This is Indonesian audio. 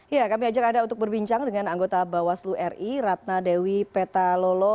ya kami ajak anda untuk berbincang dengan anggota bawaslu ri ratna dewi petalolo